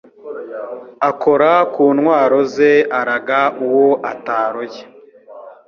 Akora ku ntwaro ze Araga uwo ataroye